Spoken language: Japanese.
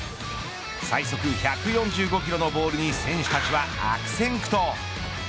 最速１４５キロのボールに選手たちは悪戦苦闘。